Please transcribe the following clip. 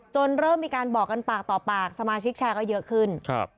เริ่มมีการบอกกันปากต่อปากสมาชิกแชร์ก็เยอะขึ้น